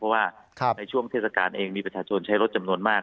เพราะว่าในช่วงเทศกาลเองมีประชาชนใช้รถจำนวนมาก